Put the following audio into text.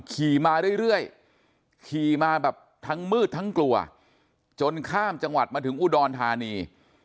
ขี่มาเรื่อยขี่มาแบบทั้งมืดทั้งกลัวจนข้ามจังหวัดมาถึงอุดรธานี